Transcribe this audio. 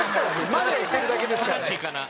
マネしてるだけですからね。